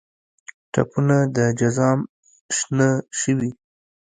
ټپونه د جزام شنه شوي